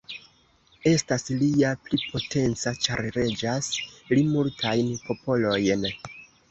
Estas li ja pli potenca, ĉar reĝas li multajn popolojn.